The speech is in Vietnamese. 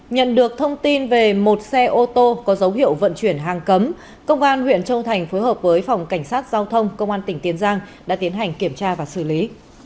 nhận được thông tin về một xe ô tô có dấu hiệu vận chuyển hàng cấm công an huyện châu thành phối hợp với phòng cảnh sát giao thông công an tỉnh tiền giang đã tiến hành kiểm tra và xử lý